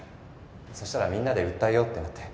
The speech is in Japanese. そしたらみんなで訴えようってなって。